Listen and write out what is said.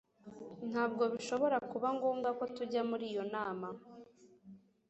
Ntabwo bishobora kuba ngombwa ko tujya muri iyo nama